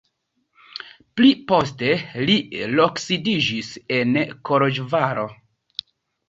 Pli poste li loksidiĝis en Koloĵvaro.